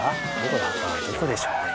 どこでしょうね？